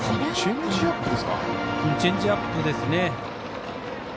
チェンジアップですね。